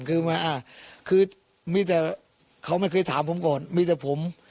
คือว่าคือมีแต่เขาไม่เคยถามผมก่อนมีแต่ผม